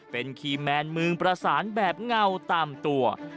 เป็นคีย์แมนเมืองประสานแบบเงาตามตัว